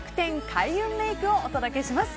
開運メイクをお届けします。